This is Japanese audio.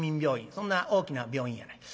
そんな大きな病院やない。